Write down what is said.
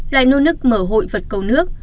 lại nôn nức mở hội vật cầu nước